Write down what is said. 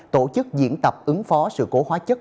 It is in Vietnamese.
tổ chức diễn tập ứng phó sự cố hóa chất